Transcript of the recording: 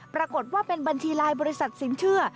ปรากฏว่าเป็นบัญชีลายบริษัทสินเชื่อ